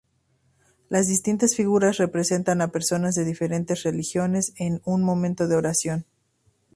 Las distintas figuras representan a personas de diferentes religiones en un momento de oración.